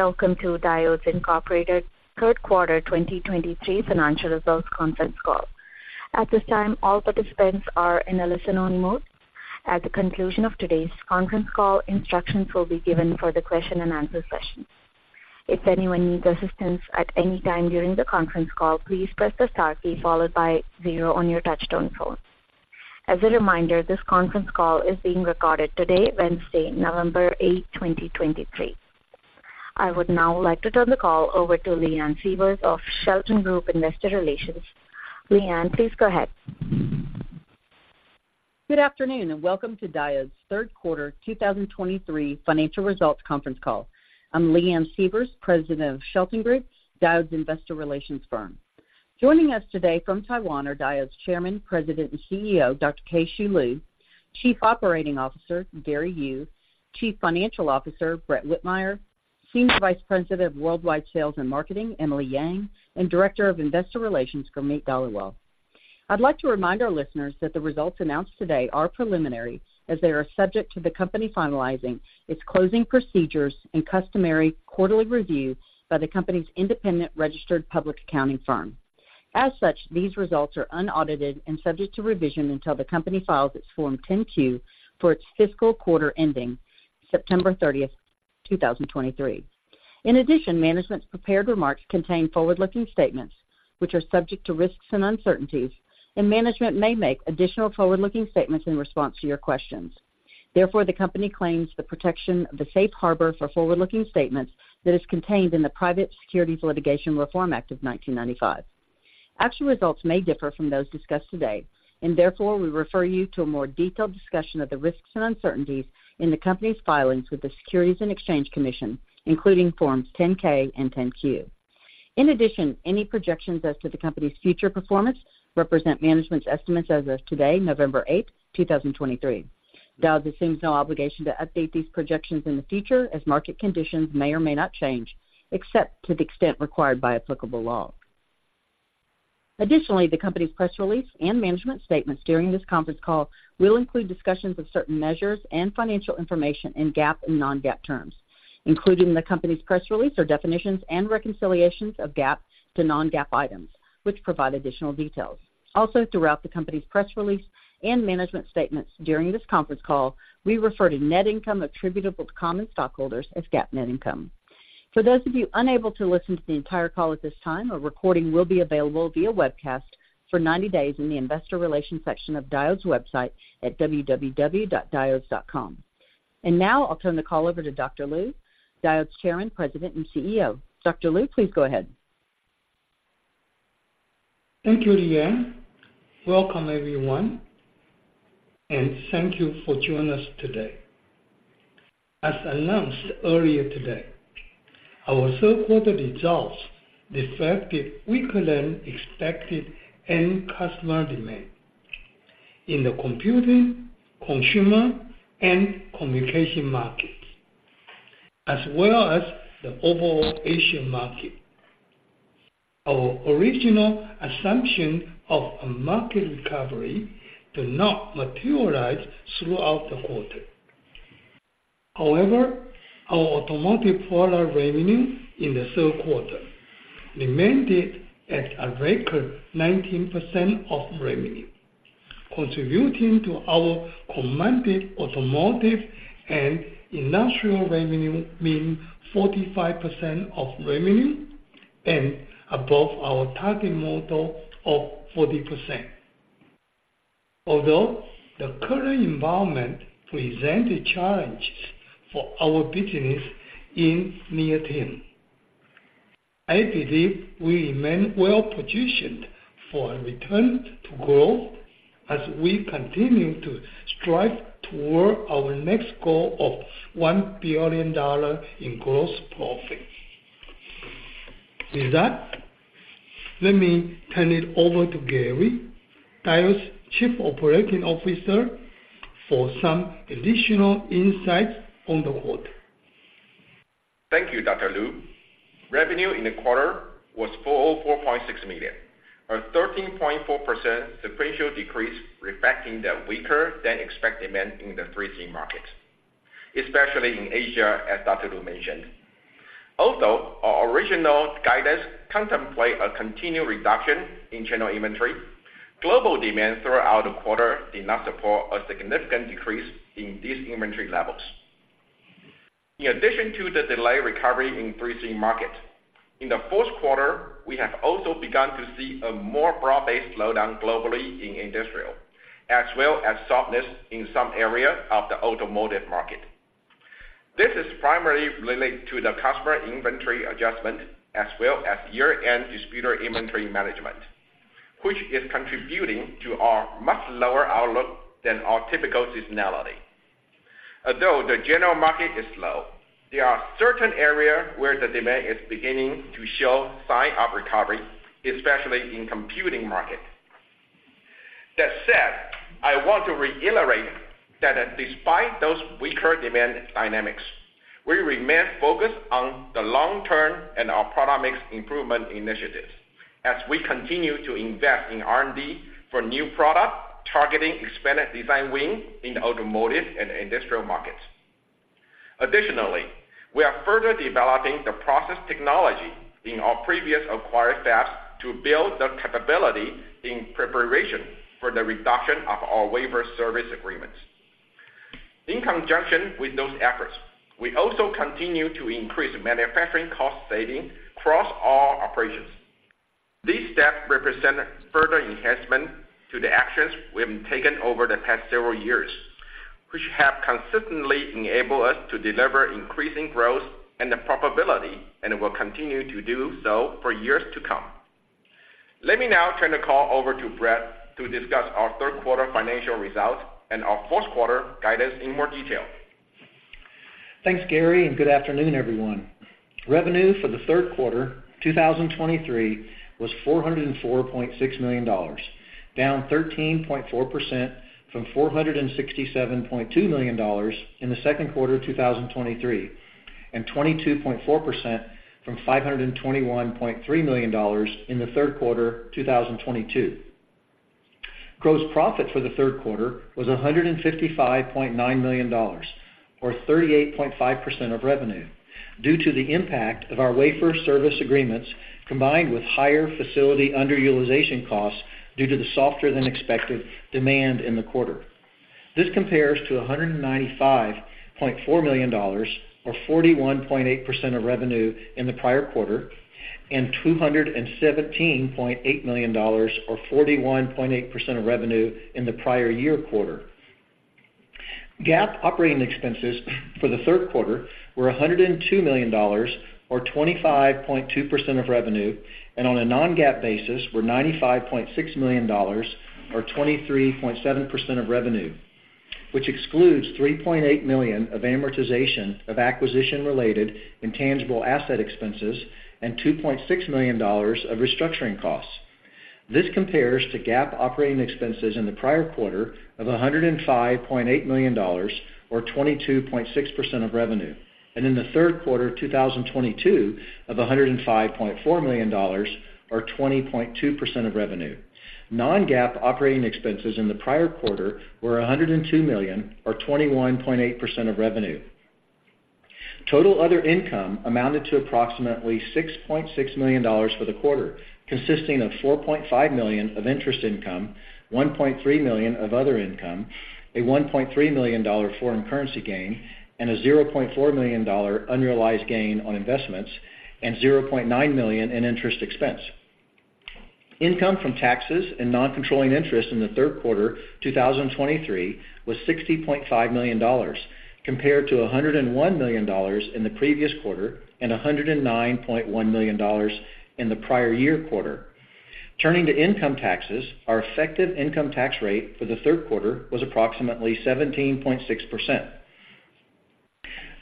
Welcome to Diodes Incorporated third quarter 2023 financial results conference call. At this time, all participants are in a listen-only mode. At the conclusion of today's conference call, instructions will be given for the question-and-answer session. If anyone needs assistance at any time during the conference call, please press the star key followed by zero on your touchtone phone. As a reminder, this conference call is being recorded today, Wednesday, November 8, 2023. I would now like to turn the call over to Leanne Sievers of Shelton Group, investor relations. Leanne, please go ahead. Good afternoon, and welcome to Diodes third quarter 2023 financial results conference call. I'm Leanne Sievers, President of Shelton Group, Diodes' investor relations firm. Joining us today from Taiwan are Diodes Chairman, President, and CEO, Dr. Keh-Shew Lu, Chief Operating Officer, Gary Yu, Chief Financial Officer, Brett Whitmire, Senior Vice President of Worldwide Sales and Marketing, Emily Yang, and Director of Investor Relations, Gurmeet Dhaliwal. I'd like to remind our listeners that the results announced today are preliminary, as they are subject to the company finalizing its closing procedures and customary quarterly reviews by the company's independent registered public accounting firm. As such, these results are unaudited and subject to revision until the company files its Form 10-Q for its fiscal quarter ending September 30, 2023. In addition, management's prepared remarks contain forward-looking statements, which are subject to risks and uncertainties, and management may make additional forward-looking statements in response to your questions. Therefore, the company claims the protection of the safe harbor for forward-looking statements that is contained in the Private Securities Litigation Reform Act of 1995. Actual results may differ from those discussed today, and therefore, we refer you to a more detailed discussion of the risks and uncertainties in the company's filings with the Securities and Exchange Commission, including Forms 10-K and 10-Q. In addition, any projections as to the company's future performance represent management's estimates as of today, November 8, 2023. Diodes assumes no obligation to update these projections in the future as market conditions may or may not change, except to the extent required by applicable law. Additionally, the company's press release and management statements during this conference call will include discussions of certain measures and financial information in GAAP and non-GAAP terms, including the company's press release or definitions and reconciliations of GAAP to non-GAAP items, which provide additional details. Also, throughout the company's press release and management statements during this conference call, we refer to net income attributable to common stockholders as GAAP net income. For those of you unable to listen to the entire call at this time, a recording will be available via webcast for 90 days in the investor relations section of Diodes' website at www.diodes.com. Now, I'll turn the call over to Dr. Lu, Diodes' Chairman, President, and CEO. Dr. Lu, please go ahead. Thank you, Leanne. Welcome, everyone, and thank you for joining us today. As announced earlier today, our third quarter results reflected weaker-than-expected end customer demand in the computing, consumer, and communication markets, as well as the overall Asian market. Our original assumption of a market recovery did not materialize throughout the quarter. However, our automotive product revenue in the third quarter remained at a record 19% of revenue, contributing to our combined automotive and industrial revenue being 45% of revenue and above our target model of 40%. Although the current environment presented challenges for our business in near-term, I believe we remain well-positioned for a return to growth as we continue to strive toward our next goal of $1 billion in gross profit. With that, let me turn it over to Gary, Diodes' Chief Operating Officer, for some additional insights on the quarter. Thank you, Dr. Lu. Revenue in the quarter was $404.6 million, a 13.4% sequential decrease, reflecting the weaker-than-expected demand in the 3C market, especially in Asia, as Dr. Lu mentioned. Although our original guidance contemplate a continued reduction in general inventory, global demand throughout the quarter did not support a significant decrease in these inventory levels. In addition to the delayed recovery in 3C market, in the fourth quarter, we have also begun to see a more broad-based slowdown globally in industrial, as well as softness in some areas of the automotive market. This is primarily related to the customer inventory adjustment, as well as year-end distributor inventory management, which is contributing to a much lower outlook than our typical seasonality. Although the general market is slow, there are certain areas where the demand is beginning to show signs of recovery, especially in computing market. That said, I want to reiterate that despite those weaker demand dynamics, we remain focused on the long term and our product mix improvement initiatives. As we continue to invest in R&D for new product, targeting expanded design wins in the automotive and industrial markets. Additionally, we are further developing the process technology in our previous acquired fabs to build the capability in preparation for the reduction of our wafer service agreements. In conjunction with those efforts, we also continue to increase manufacturing cost saving across all operations. These steps represent further enhancement to the actions we have taken over the past several years, which have consistently enabled us to deliver increasing growth and the profitability, and will continue to do so for years to come. Let me now turn the call over to Brett to discuss our third quarter financial results and our fourth quarter guidance in more detail. Thanks, Gary, and good afternoon, everyone. Revenue for the third quarter 2023 was $404.6 million, down 13.4% from $467.2 million in the second quarter of 2023, and 22.4% from $521.3 million in the third quarter of 2022. Gross profit for the third quarter was $155.9 million, or 38.5% of revenue, due to the impact of our wafer service agreements, combined with higher facility underutilization costs due to the softer than expected demand in the quarter. This compares to $195.4 million, or 41.8% of revenue in the prior quarter, and $217.8 million or 41.8% of revenue in the prior year quarter. GAAP operating expenses for the third quarter were $102 million or 25.2% of revenue, and on a non-GAAP basis were $95.6 million or 23.7% of revenue, which excludes $3.8 million of amortization of acquisition-related intangible asset expenses, and $2.6 million of restructuring costs. This compares to GAAP operating expenses in the prior quarter of $105.8 million or 22.6% of revenue, and in the third quarter of 2022, of $105.4 million or 20.2% of revenue. Non-GAAP operating expenses in the prior quarter were $102 million or 21.8% of revenue. Total other income amounted to approximately $6.6 million for the quarter, consisting of $4.5 million of interest income, $1.3 million of other income, a $1.3 million foreign currency gain, and a $0.4 million unrealized gain on investments, and $0.9 million in interest expense. Income from taxes and non-controlling interests in the third quarter 2023 was $60.5 million, compared to $101 million in the previous quarter, and $109.1 million in the prior year quarter. Turning to income taxes, our effective income tax rate for the third quarter was approximately 17.6%.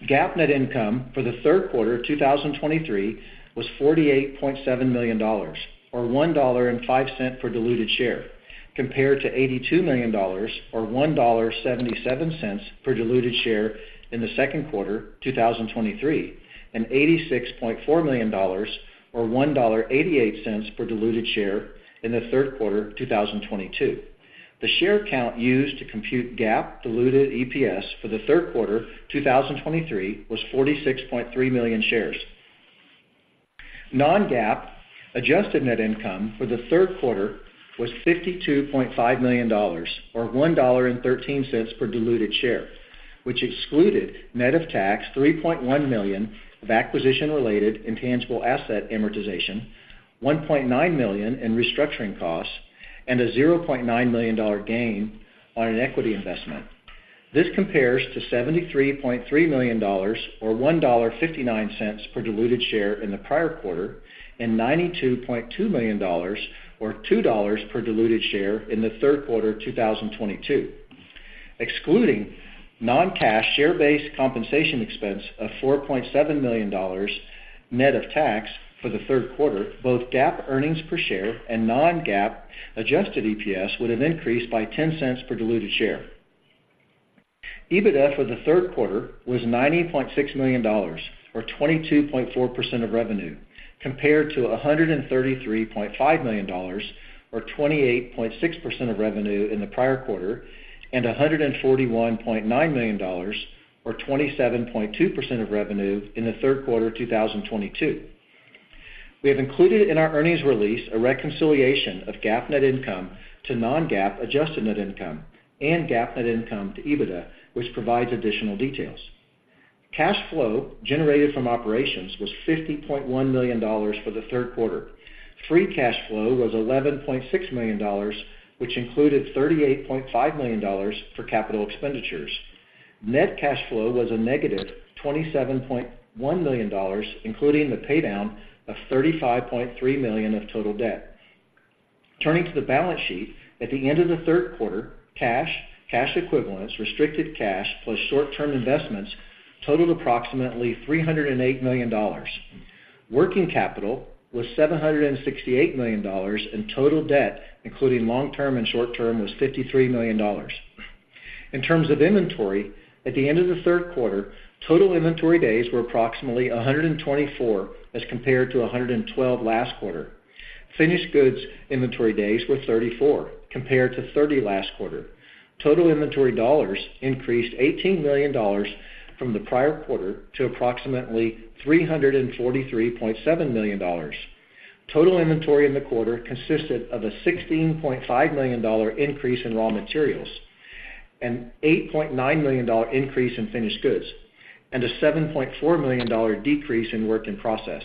GAAP net income for the third quarter of 2023 was $48.7 million, or $1.05 per diluted share, compared to $82 million or $1.77 per diluted share in the second quarter of 2023, and $86.4 million or $1.88 per diluted share in the third quarter of 2022. The share count used to compute GAAP diluted EPS for the third quarter 2023 was 46.3 million shares. Non-GAAP adjusted net income for the third quarter was $52.5 million, or $1.13 per diluted share, which excluded net of tax, $3.1 million of acquisition-related intangible asset amortization, $1.9 million in restructuring costs, and a $0.9 million gain on an equity investment. This compares to $73.3 million, or $1.59 per diluted share in the prior quarter, and $92.2 million, or $2 per diluted share in the third quarter of 2022. Excluding non-cash share-based compensation expense of $4.7 million net of tax for the third quarter, both GAAP earnings per share and non-GAAP adjusted EPS would have increased by $0.10 per diluted share. EBITDA for the third quarter was $90.6 million, or 22.4% of revenue, compared to $133.5 million or 28.6% of revenue in the prior quarter, and $141.9 million or 27.2% of revenue in the third quarter of 2022. We have included in our earnings release a reconciliation of GAAP net income to non-GAAP adjusted net income, and GAAP net income to EBITDA, which provides additional details. Cash flow generated from operations was $50.1 million for the third quarter. Free cash flow was $11.6 million, which included $38.5 million for capital expenditures. Net cash flow was a negative $27.1 million, including the paydown of $35.3 million of total debt. Turning to the balance sheet. At the end of the third quarter, cash, cash equivalents, restricted cash, plus short-term investments totaled approximately $308 million. Working capital was $768 million, and total debt, including long-term and short-term, was $53 million. In terms of inventory, at the end of the third quarter, total inventory days were approximately 124, as compared to 112 last quarter. Finished goods inventory days were 34, compared to 30 last quarter. Total inventory dollars increased $18 million from the prior quarter to approximately $343.7 million. Total inventory in the quarter consisted of a $16.5 million increase in raw materials, an $8.9 million increase in finished goods, and a $7.4 million decrease in work in process.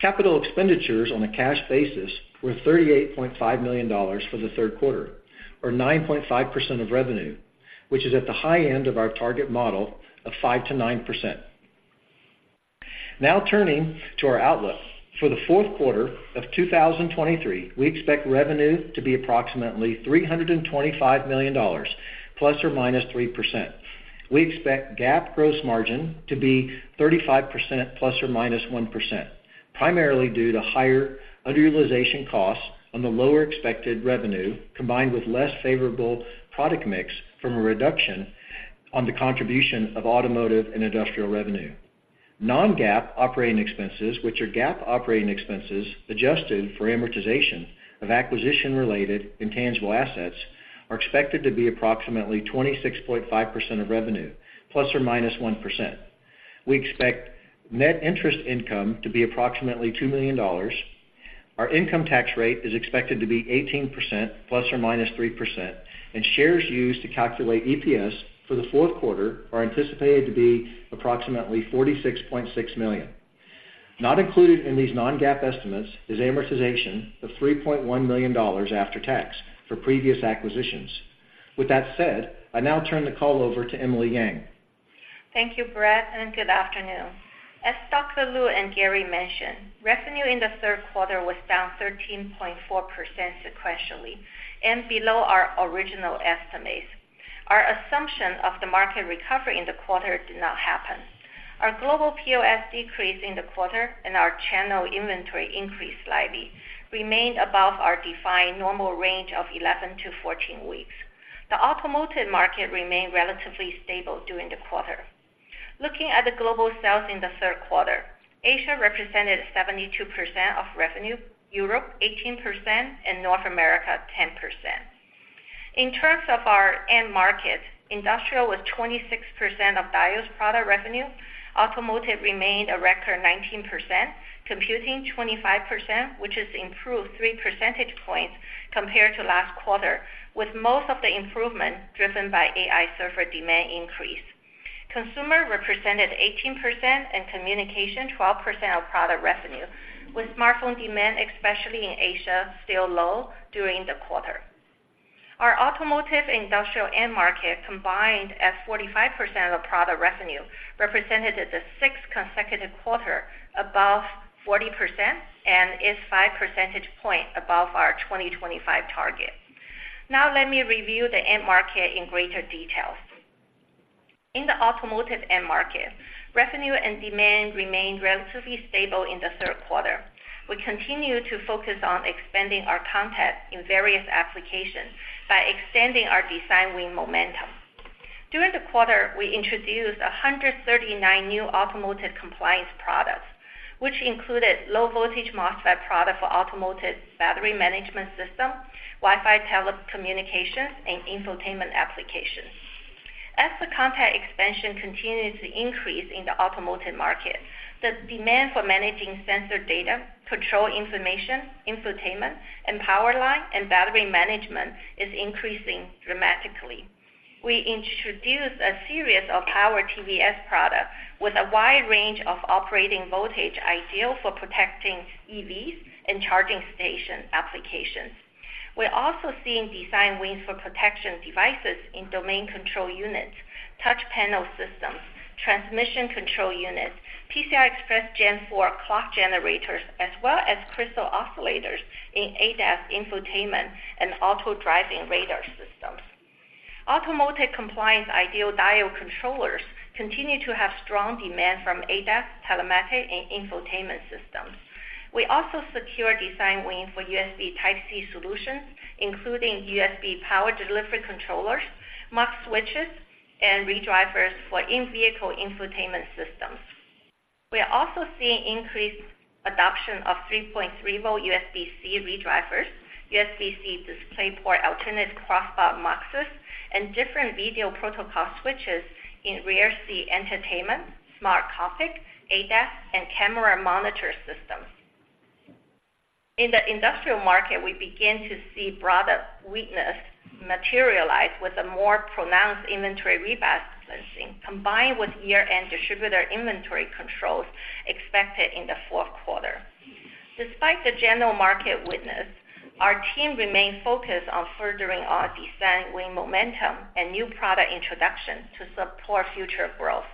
Capital expenditures on a cash basis were $38.5 million for the third quarter, or 9.5% of revenue, which is at the high end of our target model of 5%-9%. Now turning to our outlook. For the fourth quarter of 2023, we expect revenue to be approximately $325 million, ±3%. We expect GAAP gross margin to be 35%, ±1%, primarily due to higher underutilization costs on the lower expected revenue, combined with less favorable product mix from a reduction on the contribution of automotive and industrial revenue. Non-GAAP operating expenses, which are GAAP operating expenses, adjusted for amortization of acquisition-related intangible assets, are expected to be approximately 26.5% of revenue, ±1%. We expect net interest income to be approximately $2 million. Our income tax rate is expected to be 18%, ±3%, and shares used to calculate EPS for the fourth quarter are anticipated to be approximately 46.6 million. Not included in these non-GAAP estimates is amortization of $3.1 million after tax for previous acquisitions. With that said, I now turn the call over to Emily Yang. Thank you, Brett, and good afternoon. As Dr. Lu and Gary mentioned, revenue in the third quarter was down 13.4% sequentially and below our original estimates. Our assumption of the market recovery in the quarter did not happen. Our global POS decreased in the quarter, and our channel inventory increased slightly, remained above our defined normal range of 11-14 weeks. The automotive market remained relatively stable during the quarter. Looking at the global sales in the third quarter, Asia represented 72% of revenue, Europe 18%, and North America, 10%. In terms of our end market, industrial was 26% of Diodes' product revenue. Automotive remained a record 19%, computing 25%, which has improved three percentage points compared to last quarter, with most of the improvement driven by AI server demand increase. Consumer represented 18% and communication, 12% of product revenue, with smartphone demand, especially in Asia, still low during the quarter. Our automotive industrial end market, combined at 45% of product revenue, represented the sixth consecutive quarter above 40% and is 5 percentage points above our 2025 target. Now let me review the end market in greater detail. In the automotive end market, revenue and demand remained relatively stable in the third quarter. We continue to focus on expanding our content in various applications by extending our design win momentum. During the quarter, we introduced 139 new automotive compliant products, which included low-voltage MOSFET product for automotive battery management system, Wi-Fi telecommunications, and infotainment applications. As the content expansion continues to increase in the automotive market, the demand for managing sensor data, control information, infotainment, and power line and battery management is increasing dramatically. We introduced a series of power TVS products with a wide range of operating voltage, ideal for protecting EVs and charging station applications. We're also seeing design wins for protection devices in domain control units, touch panel systems, transmission control units, PCI Express Gen 4 clock generators, as well as crystal oscillators in ADAS infotainment and auto-driving radar systems. Automotive compliance ideal diode controllers continue to have strong demand from ADAS, telematic, and infotainment systems. We also secure design win for USB Type-C solutions, including USB power delivery controllers, MUX switches, and ReDrivers for in-vehicle infotainment systems. We are also seeing increased adoption of 3.3-volt USB-C ReDrivers, USB-C DisplayPort alternate crossbar MUXes, and different video protocol switches in rear seat entertainment, Smart Cockpit, ADAS, and camera monitor systems. In the industrial market, we begin to see product weakness materialize with a more pronounced inventory rebasing, combined with year-end distributor inventory controls expected in the fourth quarter. Despite the general market weakness, our team remains focused on furthering our design win momentum and new product introduction to support future growth.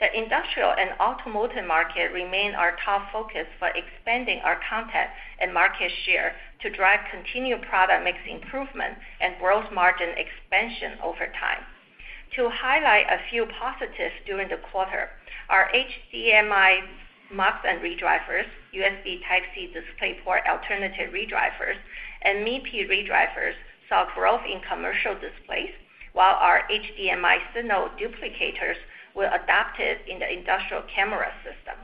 The industrial and automotive market remain our top focus for expanding our content and market share to drive continued product mix improvement and gross margin expansion over time. To highlight a few positives during the quarter, our HDMI mux and ReDrivers, USB Type-C DisplayPort alternative ReDrivers, and MIPI ReDrivers saw growth in commercial displays, while our HDMI signal duplicators were adopted in the industrial camera system.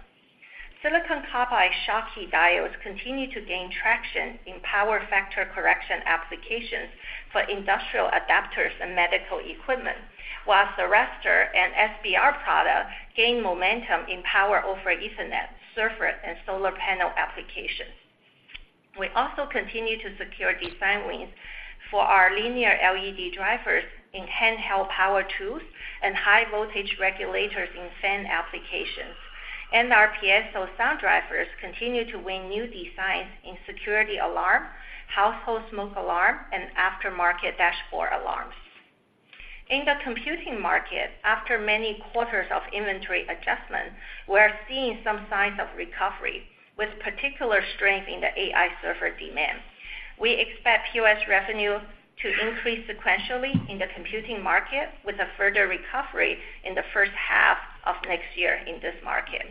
Silicon Carbide Schottky Diodes continue to gain traction in power factor correction applications for industrial adapters and medical equipment, while the arrestor and SBR product gained momentum in Power over Ethernet, server, and solar panel applications. We also continue to secure design wins for our linear LED drivers in handheld power tools and high voltage regulators in fan applications. Our Piezo sound drivers continue to win new designs in security alarm, household smoke alarm, and aftermarket dashboard alarms. In the computing market, after many quarters of inventory adjustment, we are seeing some signs of recovery, with particular strength in the AI server demand. We expect POS revenue to increase sequentially in the computing market, with a further recovery in the first half of next year in this market.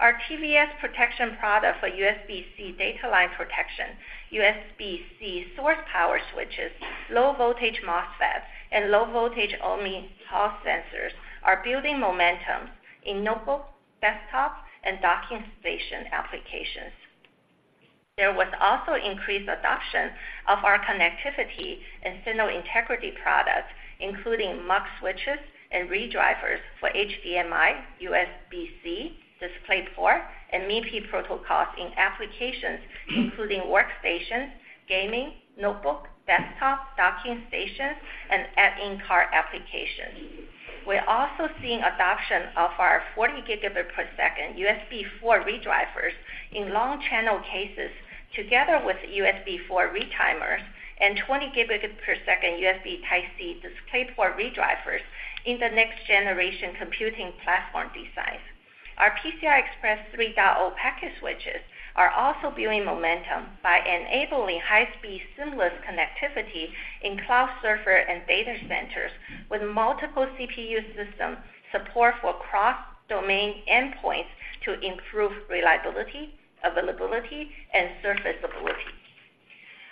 Our TVS protection product for USB-C data line protection, USB-C source power switches, low voltage MOSFETs, and low voltage only Hall sensors are building momentum in notebook, desktop, and docking station applications. There was also increased adoption of our connectivity and signal integrity products, including mux switches and ReDrivers for HDMI, USB-C, DisplayPort, and MIPI protocols in applications including workstations, gaming, notebook, desktop, docking stations, and in-car applications. We're also seeing adoption of our 40 Gbps USB4 ReDrivers in long channel cases, together with USB4 ReTimers and 20 Gbps USB Type-C DisplayPort ReDrivers in the next-generation computing platform designs. Our PCI Express 3.0 package switches are also building momentum by enabling high-speed seamless connectivity in cloud server and data centers, with multiple CPU systems, support for cross-domain endpoints to improve reliability, availability, and serviceability.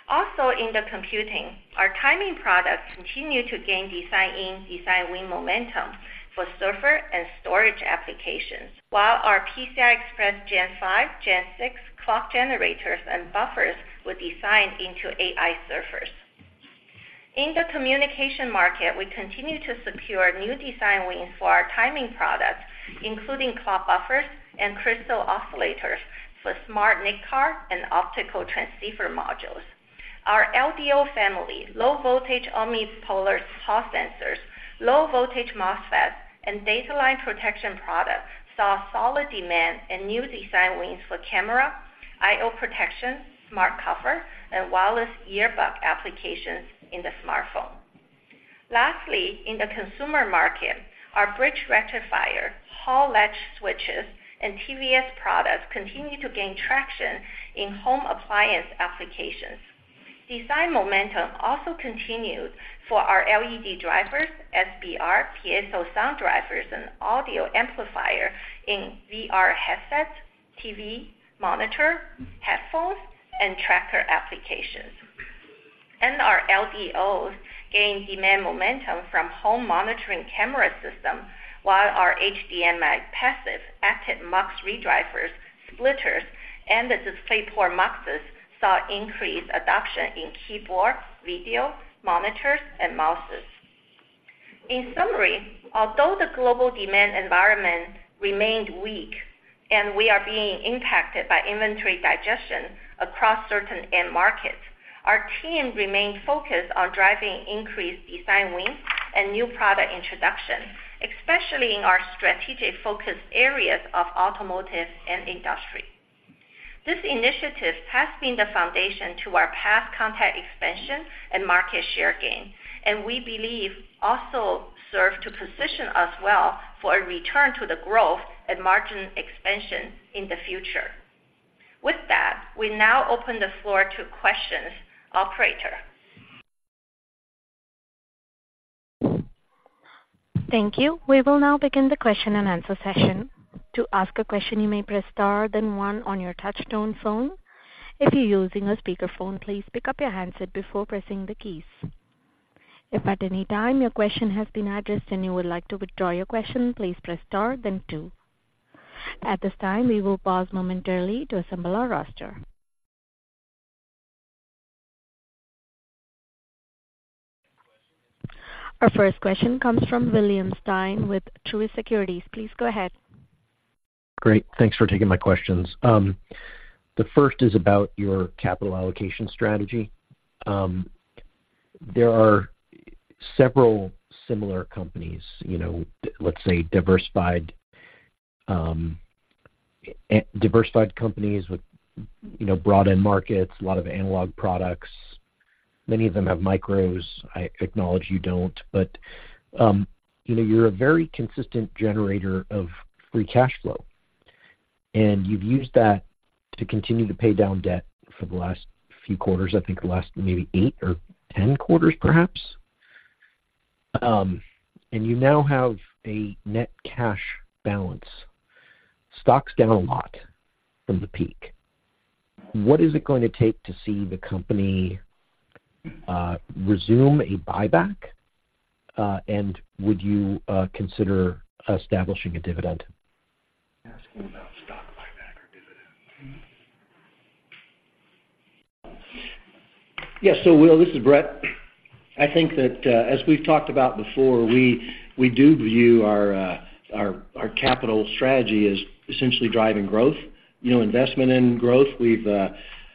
Also, in the computing, our timing products continue to gain design in, design win momentum for server and storage applications, while our PCI Express Gen 5, Gen 6 clock generators and buffers were designed into AI servers. In the communication market, we continue to secure new design wins for our timing products, including clock buffers and crystal oscillators for smart NIC card and optical transceiver modules. Our LDO family, low voltage omnipolar Hall sensors, low voltage MOSFETs, and data line protection products, saw solid demand and new design wins for camera, I/O protection, smart cover, and wireless earbud applications in the smartphone. Lastly, in the consumer market, our bridge rectifier, Hall latch switches, and TVS products continue to gain traction in home appliance applications. Design momentum also continued for our LED drivers, SBR, Piezo sound drivers, and audio amplifier in VR headsets, TV, monitor, headphones, and tracker applications. Our LDOs gained demand momentum from home monitoring camera system, while our HDMI passive, active MUX ReDrivers, splitters, and the DisplayPort MUXes saw increased adoption in keyboards, video, monitors, and mouses. In summary, although the global demand environment remained weak and we are being impacted by inventory digestion across certain end markets, our team remained focused on driving increased design wins and new product introduction, especially in our strategic focus areas of automotive and industry. This initiative has been the foundation to our past content expansion and market share gain, and we believe also serve to position us well for a return to the growth and margin expansion in the future. With that, we now open the floor to questions. Operator? Thank you. We will now begin the question-and-answer session. To ask a question, you may press star, then one on your touchtone phone. If you're using a speakerphone, please pick up your handset before pressing the keys. If at any time your question has been addressed and you would like to withdraw your question, please press star then two. At this time, we will pause momentarily to assemble our roster. Our first question comes from William Stein with Truist Securities. Please go ahead. Great, thanks for taking my questions. The first is about your capital allocation strategy. There are several similar companies, you know, let's say diversified, diversified companies with, you know, broad end markets, a lot of analog products. Many of them have micros. I acknowledge you don't, but, you know, you're a very consistent generator of free cash flow. You've used that to continue to pay down debt for the last few quarters, I think the last maybe 8 or 10 quarters, perhaps. You now have a net cash balance. Stock's down a lot from the peak. What is it going to take to see the company resume a buyback, and would you consider establishing a dividend? Asking about stock buyback or dividend. Yes. So Will, this is Brett. I think that, as we've talked about before, we do view our capital strategy as essentially driving growth, you know, investment in growth. We've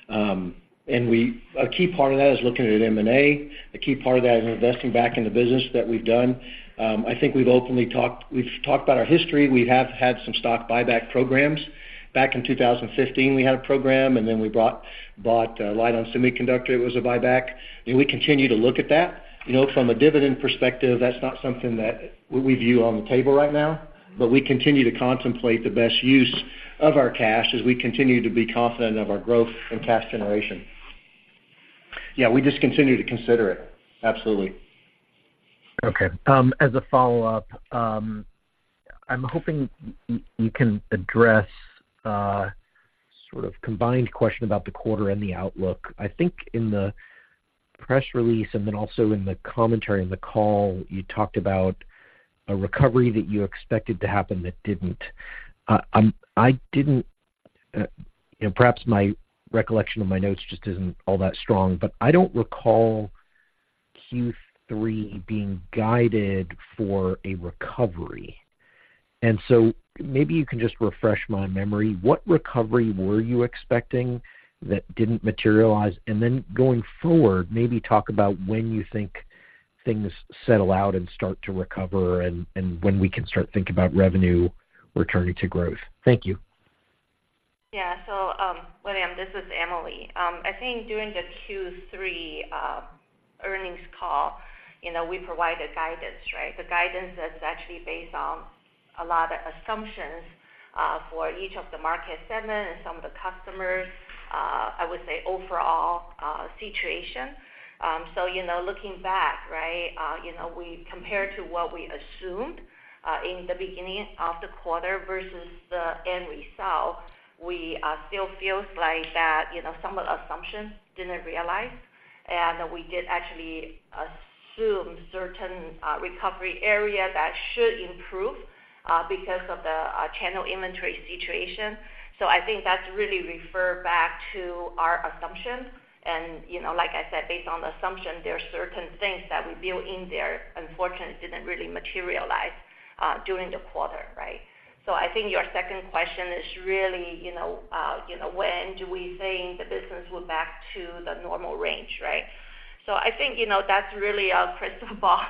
and a key part of that is looking at M&A. A key part of that is investing back in the business that we've done. I think we've openly talked, we've talked about our history. We have had some stock buyback programs. Back in 2015, we had a program, and then we bought Lite-On Semiconductor. It was a buyback, and we continue to look at that. You know, from a dividend perspective, that's not something that we view on the table right now, but we continue to contemplate the best use of our cash as we continue to be confident of our growth and cash generation. Yeah, we just continue to consider it. Absolutely. Okay. As a follow-up, I'm hoping you can address sort of combined question about the quarter and the outlook. I think in the press release and then also in the commentary in the call, you talked about a recovery that you expected to happen that didn't. I didn't, you know, perhaps my recollection of my notes just isn't all that strong, but I don't recall Q3 being guided for a recovery. And so maybe you can just refresh my memory, what recovery were you expecting that didn't materialize? And then going forward, maybe talk about when you think things settle out and start to recover and when we can start thinking about revenue returning to growth. Thank you. Yeah. So, William, this is Emily. I think during the Q3 earnings call, you know, we provided guidance, right? The guidance is actually based on a lot of assumptions for each of the market segment and some of the customers, I would say, overall situation. So, you know, looking back, right, you know, we compared to what we assumed in the beginning of the quarter versus the end result, we still feels like that, you know, some of the assumptions didn't realize, and we did actually assume certain recovery area that should improve because of the channel inventory situation. So I think that's really refer back to our assumptions. And, you know, like I said, based on the assumption, there are certain things that we built in there, unfortunately, didn't really materialize during the quarter, right? So I think your second question is really, you know, you know, when do we think the business will back to the normal range, right? So I think, you know, that's really a crystal ball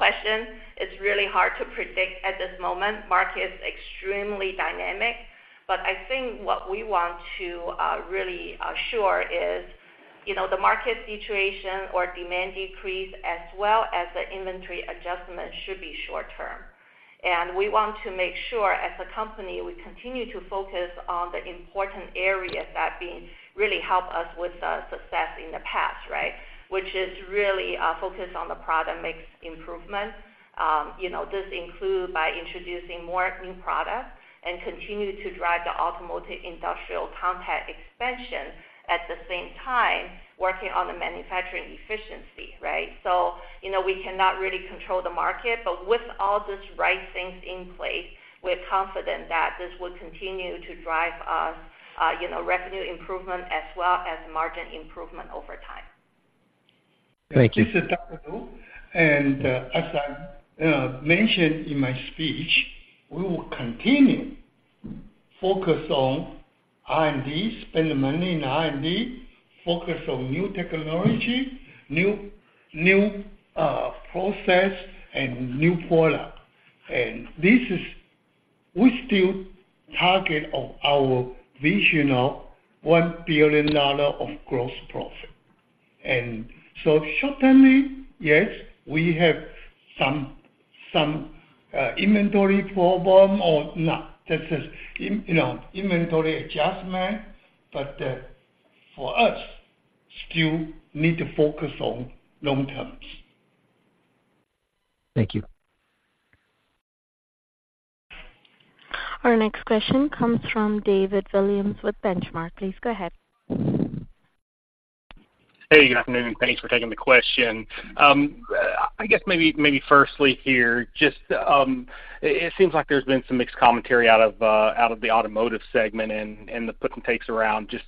question. It's really hard to predict at this moment. Market is extremely dynamic, but I think what we want to, really assure is, you know, the market situation or demand decrease, as well as the inventory adjustment, should be short term. And we want to make sure, as a company, we continue to focus on the important areas that being really help us with the success in the past, right? Which is really, focused on the product mix improvement. You know, this include by introducing more new products and continue to drive the automotive industrial content expansion, at the same time, working on the manufacturing efficiency, right? You know, we cannot really control the market, but with all these right things in place, we're confident that this will continue to drive us, you know, revenue improvement as well as margin improvement over time. Thank you. This is Dr. Lu, and as I mentioned in my speech, we will continue focus on R&D, spend the money in R&D, focus on new technology, new, new process and new product. And this is... We still target of our vision of $1 billion of gross profit. And so certainly, yes, we have some, some inventory problem or not, that is, in, you know, inventory adjustment, but for us, still need to focus on long terms. Thank you. Our next question comes from David Williams with Benchmark. Please go ahead. Hey, good afternoon, and thanks for taking the question. I guess maybe firstly here, just, it seems like there's been some mixed commentary out of the automotive segment and the puts and takes around just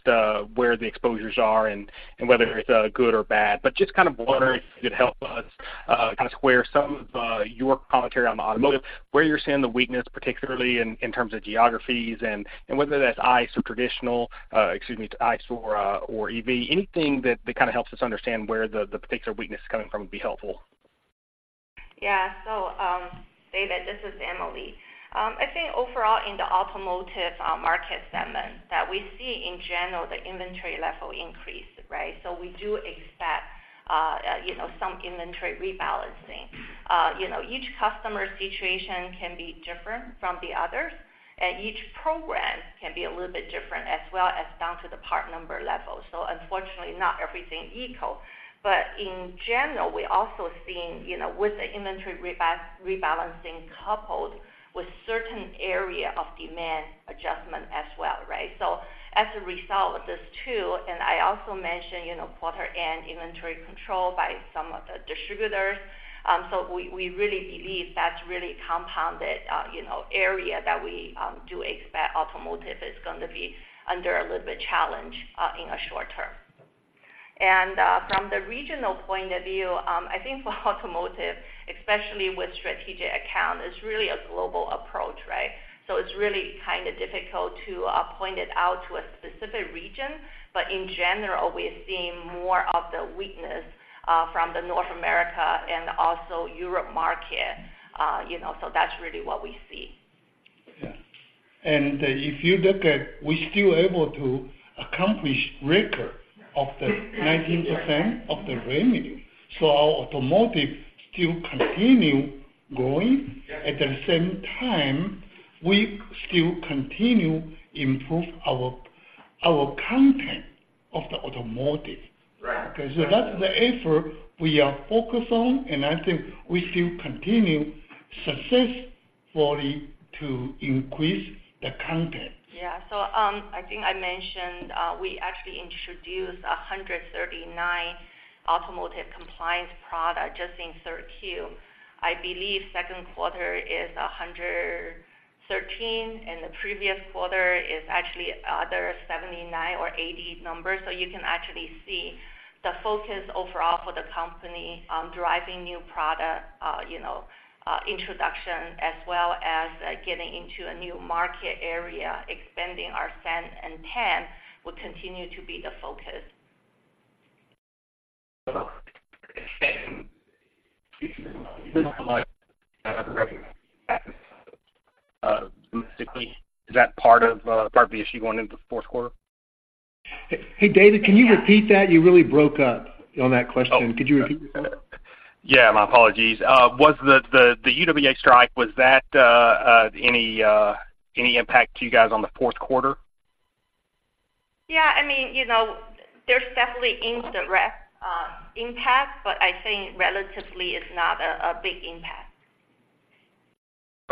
where the exposures are and whether it's good or bad. But just kind of wondering if you could help us kind of square some of your commentary on the automotive, where you're seeing the weakness, particularly in terms of geographies and whether that's ICE or traditional, excuse me, ICE or or EV. Anything that kind of helps us understand where the particular weakness is coming from would be helpful. Yeah. So, David, this is Emily. I think overall in the automotive market segment that we see in general, the inventory level increase, right? So we do expect you know, some inventory rebalancing. You know, each customer's situation can be different from the others, and each program can be a little bit different, as well as down to the part number level. So unfortunately, not everything equal. But in general, we're also seeing, you know, with the inventory rebalancing, coupled with certain area of demand adjustment as well, right? So as a result of this, too, and I also mentioned, you know, quarter end inventory control by some of the distributors. So we really believe that's really compounded you know, area that we do expect automotive is going to be under a little bit challenge in the short term. From the regional point of view, I think for automotive, especially with strategic account, it's really a global approach, right? So it's really kind of difficult to point it out to a specific region. But in general, we're seeing more of the weakness from the North America and also Europe market, you know, so that's really what we see. Yeah. And if you look at, we're still able to accomplish record 19% of the revenue, so our automotive still continue growing. At the same time, we still continue improve our content of the automotive. Right. Okay, so that's the effort we are focused on, and I think we still continue successfully to increase the content. Yeah. So, I think I mentioned, we actually introduced 139 automotive compliant products just in third Q. I believe second quarter is 113, and the previous quarter is actually about 79 or 80 numbers. So you can actually see the focus overall for the company on driving new product, you know, introduction, as well as, getting into a new market area. Expanding our standard content will continue to be the focus. Is that part of the issue going into the fourth quarter? Hey, David, can you repeat that? You really broke up on that question. Oh. Could you repeat that? Yeah, my apologies. Was the UAW strike, was that any impact to you guys on the fourth quarter? Yeah, I mean, you know, there's definitely indirect impact, but I think relatively, it's not a big impact.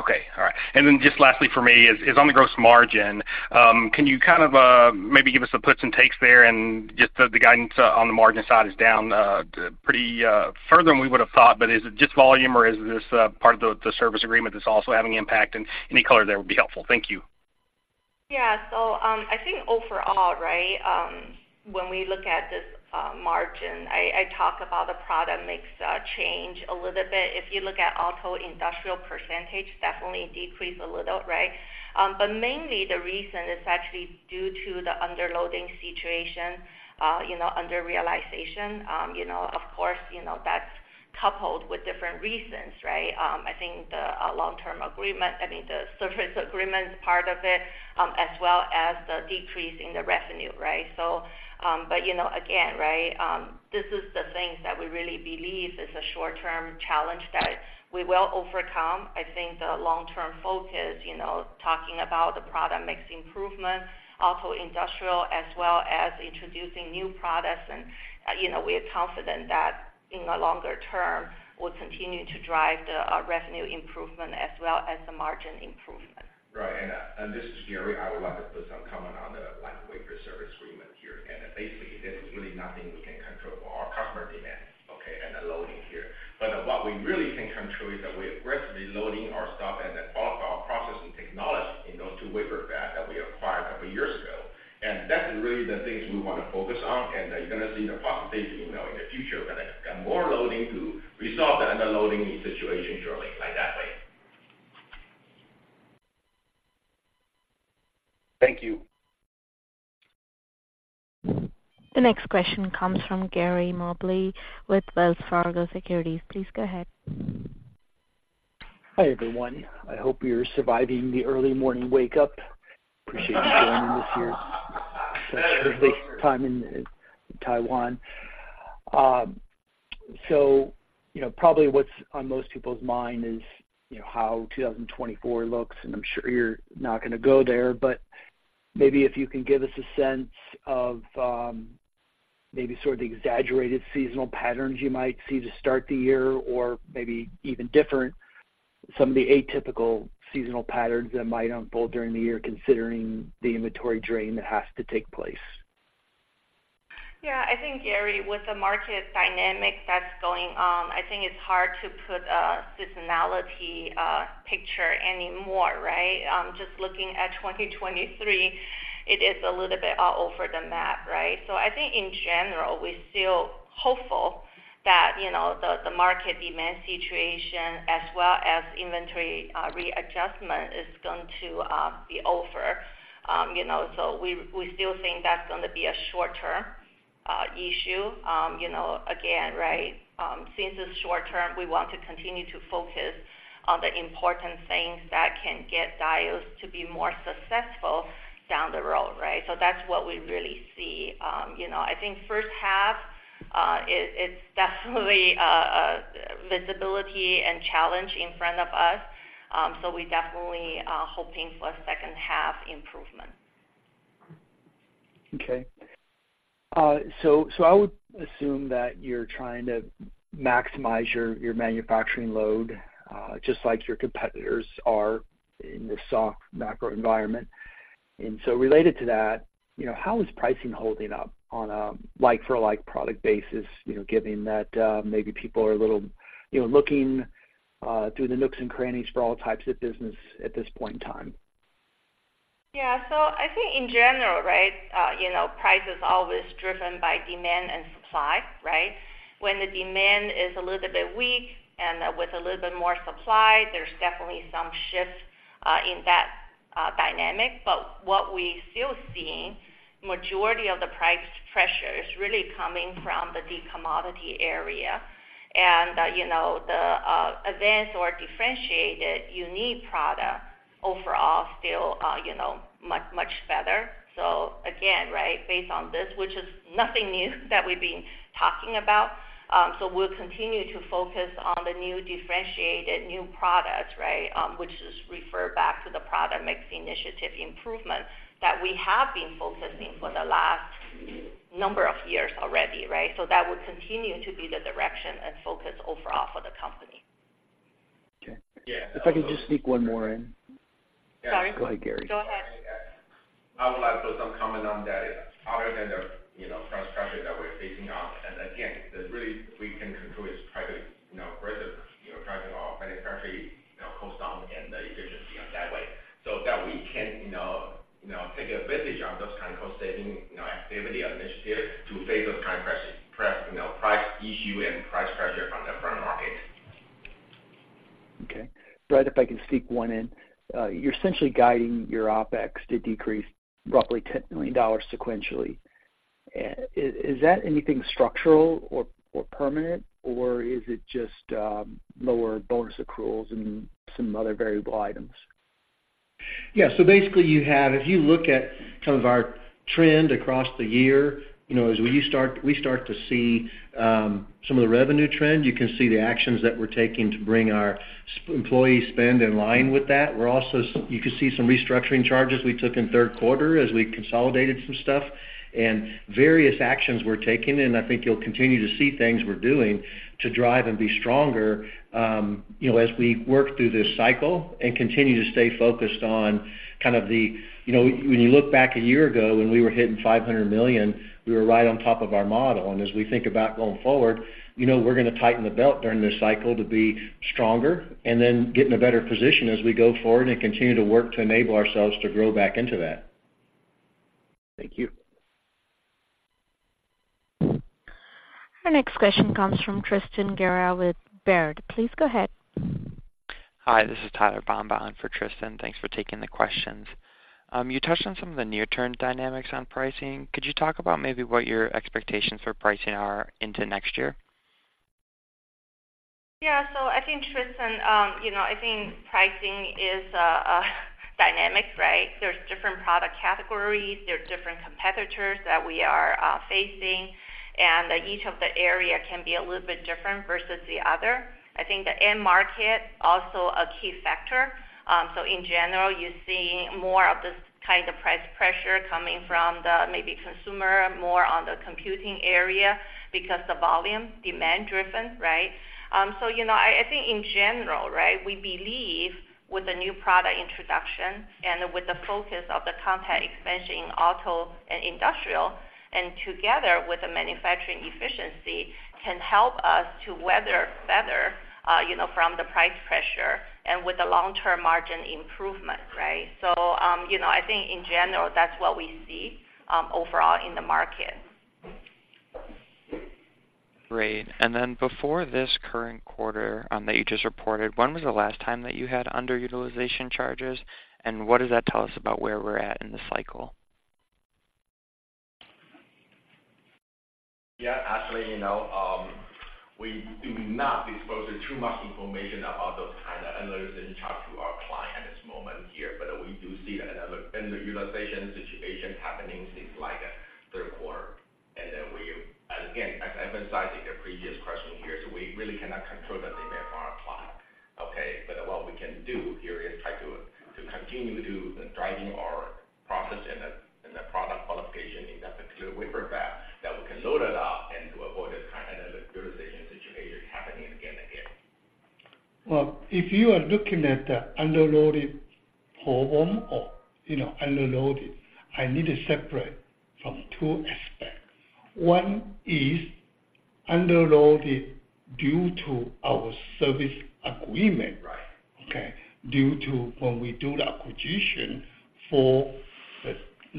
Okay. All right. And then just lastly for me is on the gross margin. Can you kind of maybe give us the puts and takes there, and just the guidance on the margin side is down pretty further than we would have thought. But is it just volume, or is this part of the service agreement that's also having impact? And any color there would be helpful. Thank you. Yeah. So, I think overall, right, when we look at this, margin, I talk about the product mix change a little bit. If you look at auto, industrial percentage, definitely decreased a little, right? But mainly, the reason is actually due to the underutilization situation, you know, under-realization. You know, of course, you know, that's coupled with different reasons, right? I think the, long-term agreement, I mean, the service agreement is part of it, as well as the decrease in the revenue, right? So, but you know, again, right, this is the things that we really believe is a short-term challenge that we will overcome. I think the long-term focus, you know, talking about the product mix improvement, auto, industrial, as well as introducing new products. You know, we are confident that in the longer term, we'll continue to drive the revenue improvement as well as the margin improvement. Right. And, and this is Gary. I would like to put some comment on the, like, Wafer Service Agreement here. And basically, there's really nothing we can control for our customer demand, okay, and the loading here. But what we really can control is that we are aggressively loading our stuff and then qualify our process and technology in those two wafer fab that we acquired a couple years ago. And that's really the things we want to focus on, and you're going to see the profitability, you know, in the future, when I get more loading to resolve the underloading situation shortly, like that way. Thank you. The next question comes from Gary Mobley with Wells Fargo Securities. Please go ahead. Hi, everyone. I hope you're surviving the early morning wake up. Appreciate you joining this year, such early time in Taiwan. So you know, probably what's on most people's mind is, you know, how 2024 looks, and I'm sure you're not going to go there. But maybe if you can give us a sense of, maybe sort of the exaggerated seasonal patterns you might see to start the year, or maybe even different, some of the atypical seasonal patterns that might unfold during the year, considering the inventory drain that has to take place. Yeah. I think, Gary, with the market dynamic that's going on, I think it's hard to put a seasonality picture anymore, right? Just looking at 2023, it is a little bit all over the map, right? So I think in general, we're still hopeful that, you know, the market demand situation as well as inventory readjustment is going to be over. You know, so we still think that's going to be a short-term issue. You know, again, right, since it's short term, we want to continue to focus on the important things that can get Diodes to be more successful down the road, right? So that's what we really see. You know, I think first half, it's definitely visibility and challenge in front of us, so we definitely are hoping for a second half improvement.... Okay. So I would assume that you're trying to maximize your manufacturing load, just like your competitors are in this soft macro environment. And so related to that, you know, how is pricing holding up on a like-for-like product basis? You know, given that, maybe people are a little, you know, looking through the nooks and crannies for all types of business at this point in time. Yeah. So I think in general, right, you know, price is always driven by demand and supply, right? When the demand is a little bit weak and, with a little bit more supply, there's definitely some shift, in that, dynamic. But what we still seeing, majority of the price pressure is really coming from the commodity area. And, you know, the, advanced or differentiated unique product overall still, you know, much, much better. So again, right, based on this, which is nothing new that we've been talking about. So we'll continue to focus on the new, differentiated new products, right? Which is referred back to the product mix initiative improvement that we have been focusing for the last number of years already, right? So that will continue to be the direction and focus overall for the company. Okay. Yeah. If I could just sneak one more in. Sorry. Go ahead, Gary. Go ahead. I would like to put some comment on that. Other than the, you know, price pressure that we're facing off, and again, there's really we can control is price, you know, further, you know, pricing our manufacturing, you know, cost down and the efficiency on that way, so that we can, you know, you know, take advantage of those kind of cost-saving, you know, activity or initiative to face those kind of press, you know, price issue and price pressure from the front market. Okay. Brett, if I can sneak one in. You're essentially guiding your OpEx to decrease roughly $10 million sequentially. Is that anything structural or permanent, or is it just lower bonus accruals and some other variable items? Yeah. So basically, if you look at some of our trend across the year, you know, as we start, we start to see some of the revenue trends, you can see the actions that we're taking to bring our employee spend in line with that. We're also, you can see some restructuring charges we took in third quarter as we consolidated some stuff, and various actions were taken, and I think you'll continue to see things we're doing to drive and be stronger, you know, as we work through this cycle and continue to stay focused on kind of the... You know, when you look back a year ago, when we were hitting $500 million, we were right on top of our model. As we think about going forward, you know, we're going to tighten the belt during this cycle to be stronger and then get in a better position as we go forward and continue to work to enable ourselves to grow back into that. Thank you. Our next question comes from Tristan Gerra with Baird. Please go ahead. Hi, this is Tyler Bomba in for Tristan. Thanks for taking the questions. You touched on some of the near-term dynamics on pricing. Could you talk about maybe what your expectations for pricing are into next year? Yeah. So I think, Tristan, you know, I think pricing is a dynamic, right? There's different product categories, there are different competitors that we are facing, and each of the area can be a little bit different versus the other. I think the end market, also a key factor. So in general, you're seeing more of this kind of price pressure coming from the maybe consumer, more on the computing area because the volume, demand-driven, right? So, you know, I think in general, right, we believe with the new product introduction and with the focus of the content expansion in auto and industrial, and together with the manufacturing efficiency, can help us to weather better, you know, from the price pressure and with the long-term margin improvement, right? You know, I think in general, that's what we see overall in the market. Great. And then, before this current quarter that you just reported, when was the last time that you had underutilization charges, and what does that tell us about where we're at in the cycle? Yeah, actually, you know, we do not disclose too much information about those kind of analysis and talk to our client at this moment here. But we do see that another underutilization situation happening since like, third quarter. And then we, again, emphasizing the previous question here, so we really cannot control the demand of our client. Okay, but what we can do here is try to, to continue to driving our process and the, and the product qualification in that particular wafer fab, that we can load it up and to avoid this kind of underutilization situation happening again and again. Well, if you are looking at the underutilization problem or, you know, underutilization, I need to separate from two aspects. One is underutilization due to our service agreement. Right. Okay? Due to when we do the acquisition for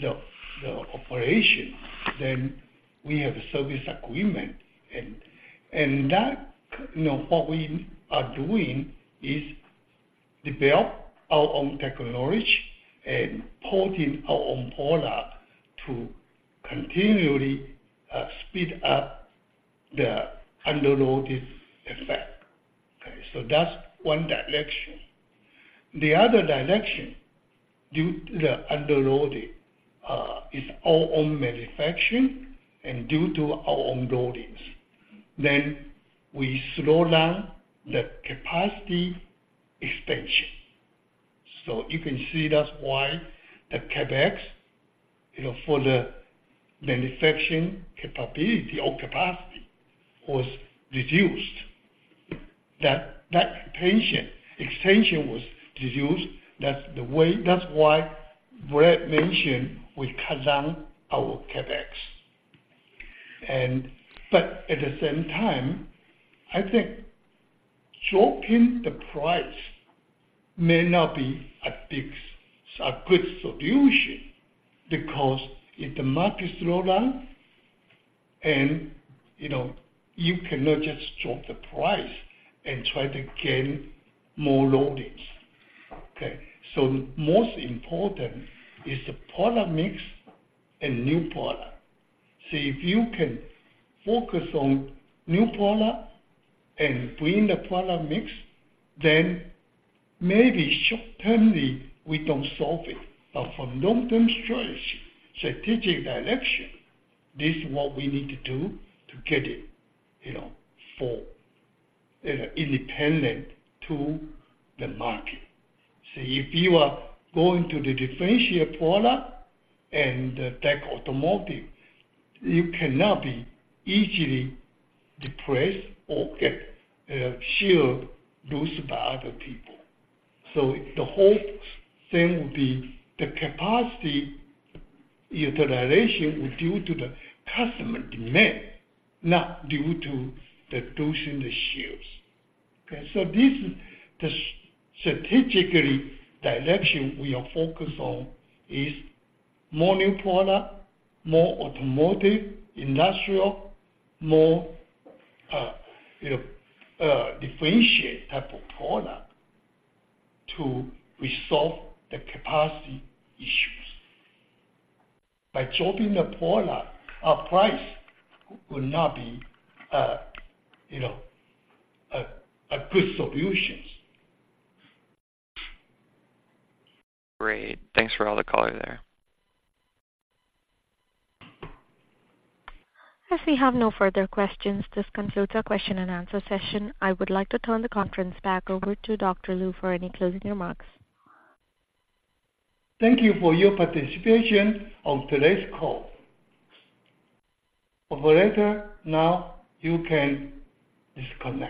the operation, then we have a service agreement, and that, you know, what we are doing is develop our own technology and putting our own product to continually speed up the underutilization effect. Okay, so that's one direction. The other direction, due to the underutilization, is our own manufacturing and due to our own loadings. Then we slow down the capacity expansion... So you can see that's why the CapEx, you know, for the manufacturing capability or capacity was reduced. That expansion was reduced. That's the way. That's why Brett mentioned we cut down our CapEx. But at the same time, I think dropping the price may not be a big, a good solution, because if the market slow down and, you know, you cannot just drop the price and try to gain more loading. Okay? Most important is the product mix and new product. So if you can focus on new product and bring the product mix, then maybe short-termly, we don't solve it. But for long-term strategy, strategic direction, this is what we need to do to get it, you know, for, independent to the market. So if you are going to the differentiate product and like automotive, you cannot be easily depressed or get, share loss by other people. So the whole thing will be the capacity utilization will due to the customer demand, not due to the losing the shares. Okay, so this is the strategically direction we are focused on, is more new product, more automotive, industrial, more, you know, differentiate type of product to resolve the capacity issues. By dropping the product, our price will not be, you know, a good solutions. Great. Thanks for all the color there. As we have no further questions, this concludes our question and answer session. I would like to turn the conference back over to Dr. Lu for any closing remarks. Thank you for your participation on today's call. Operator, now you can disconnect.